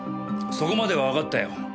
そこまではわかったよ。